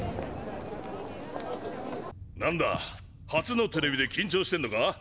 なんだ初のテレビで緊張してんのか？